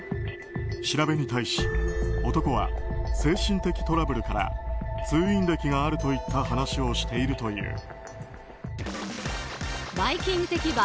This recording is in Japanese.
調べに対し、男は精神的トラブルから通院歴があるといった話をしているという。